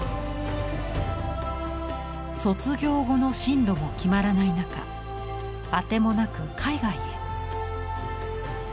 卒業後の進路も決まらない中あてもなく海外へ。